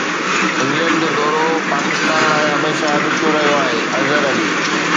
England جو دورو پاڪستان لاءِ هميشه ڏکيو رهيو آهي اظهر علي